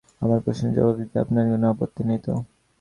আমার প্রশ্নের জবাব দিতে আপনার কোনো আপত্তি নেই তো?